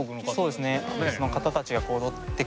そうですね。